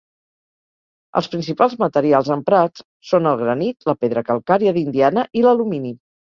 Els principals materials emprats són el granit, la pedra calcària d'Indiana i l'alumini.